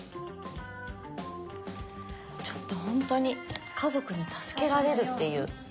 ちょっとほんとに家族に助けられるっていう。